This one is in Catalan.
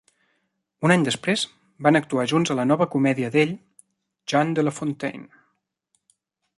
Un any després van actuar junts a la nova comèdia d'ell, "Jean de la Fontaine".